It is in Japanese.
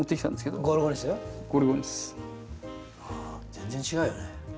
全然違うよね。